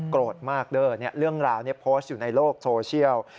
โกรธมากเด้อเรื่องราวนี้โพสต์อยู่ในโลกโซเชียล